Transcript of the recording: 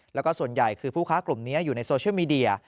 แล้วก็ส่วนใหญ่คือผู้ค้ากลุ่มนี้อยู่ในโซเชียลมีเดีย